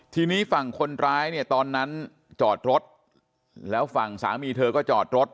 ทีนี้ฝั่งคนร้ายเนี่ยตอนนั้นจอดรถแล้วฝั่งสามีเธอก็จอดรถ